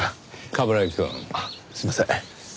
冠城くん。あっすいません。